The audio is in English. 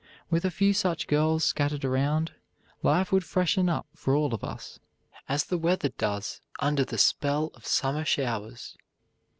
With a few such girls scattered around, life would freshen up for all of us, as the weather does under the spell of summer showers."